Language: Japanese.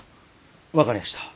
分かりやした。